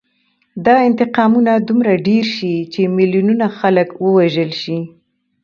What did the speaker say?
دا انتقامونه دومره ډېر شي چې میلیونونه خلک ووژل شي